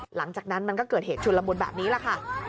หลังจากนั้นมันก็เกิดเหตุชุนละมุนแบบนี้แหละค่ะ